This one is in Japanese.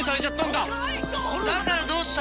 だからどうした？